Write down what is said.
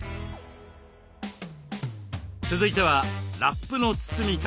続いてはラップの包み方。